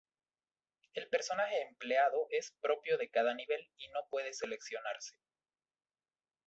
El personaje empleado es propio de cada nivel y no puede seleccionarse.